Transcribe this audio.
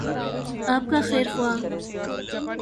آپ کا خیرخواہ۔